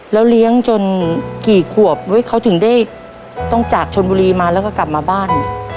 แล้วเลี้ยงจนกี่ขวบเขาถึงได้ต้องจากชนบุรีมาแล้วก็กลับมาบ้าน